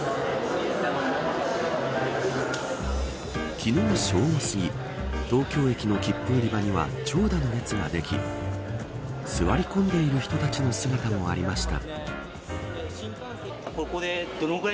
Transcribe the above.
昨日正午すぎ東京駅の切符売り場には長蛇の列ができ座り込んでいる人たちの姿もありました。